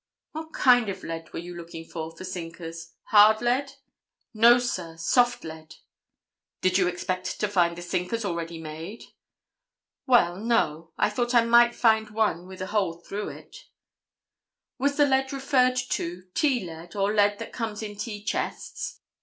"What kind of lead were you looking for, for sinkers? Hard lead?" "No, sir; soft lead." "Did you expect to find the sinkers already made?" "Well, no. I thought I might find one with a hole through it." "Was the lead referred to tea lead or lead that comes in tea chests?"